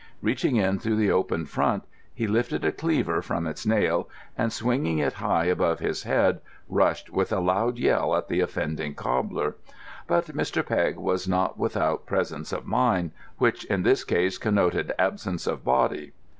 Reaching in through the open front, he lifted a cleaver from its nail, and swinging it high above his head, rushed with a loud yell at the offending cobbler. But Mr. Pegg was not without presence of mind—which, in this case, connoted absence of body.